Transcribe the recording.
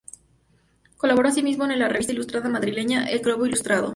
Colaboró asimismo en la revista ilustrada madrileña "El Globo Ilustrado".